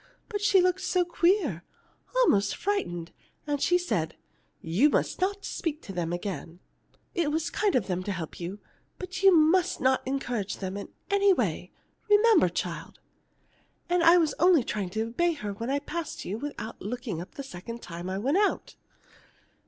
But she looked so queer almost frightened, and she said: 'You must not speak to them again. It was kind of them to help you, but you must not encourage them in any way. Remember, child!' And I was only trying to obey her when I passed you without looking up the second time I went out."